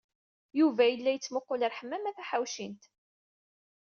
Yuba yella yettmuqul ar Ḥemmama Taḥawcint.